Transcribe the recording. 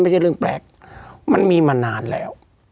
ไม่ใช่เรื่องแปลกมันมีมานานแล้ว